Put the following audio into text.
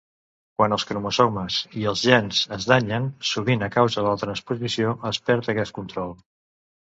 Quan els cromosomes i els gens es danyen, sovint a causa de la transposició, es perd aquest control.